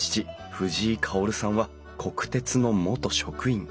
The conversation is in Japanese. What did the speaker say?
藤井薫さんは国鉄の元職員。